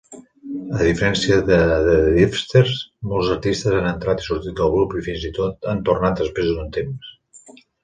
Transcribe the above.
A diferència de a The Drifters, molts artistes han entrat i sortit del grup i, fins i tot, han tornat després d'un temps.